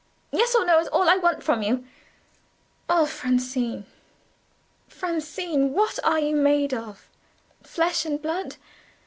"Yes or no is all I want from you." "Oh, Francine! Francine! what are you made of! Flesh and blood?